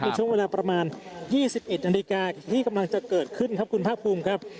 ในช่วงเวลาประมาณ๒๑นาฬิกาที่กำลังจะเกิดขึ้นครับคุณภาคภูมิครับ